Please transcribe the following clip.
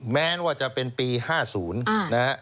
แม้ว่าจะเป็นปี๕๐นะฮะ